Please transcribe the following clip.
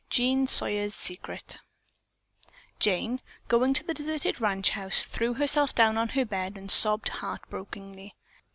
JEAN SAWYER'S SECRET Jane, going to the deserted ranch house, threw herself down on her bed and sobbed heart brokenly.